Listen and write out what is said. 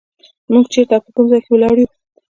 موږ چېرته او په کوم ځای کې ولاړ یو.